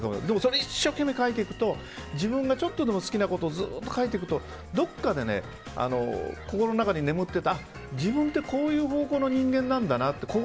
でも、一生懸命書いていくと自分がちょっとでも好きなことをずっと書いていくとどこかで、心の中に眠っていた自分ってこういう方向の人間なんだなと。